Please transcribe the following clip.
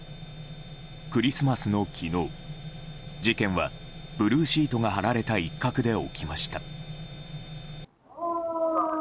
クリスマスの昨日事件はブルーシートが張られた一角で起きました。